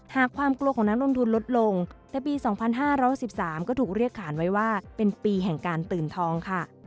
หากความกลัวของนักลงทุนลดลงแต่ปี๒๕๖๓ก็ถูกเรียกขานไว้ว่าเป็นปีแห่งการตื่นทองค่ะ